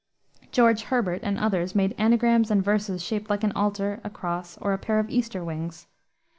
George Herbert and others made anagrams and verses shaped like an altar, a cross, or a pair of Easter wings.